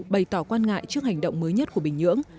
bày tỏ quan ngại trước hành động mới nhất của bình nhưỡng